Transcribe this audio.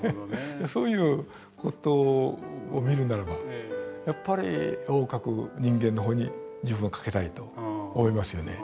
そういう事を見るならばやっぱり絵を描く人間の方に自分はかけたいと思いますよね。